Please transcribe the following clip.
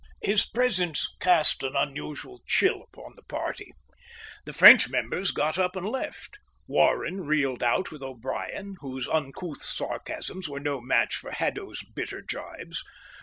His presence cast an unusual chill upon the party. The French members got up and left. Warren reeled out with O'Brien, whose uncouth sarcasms were no match for Haddo's bitter gibes.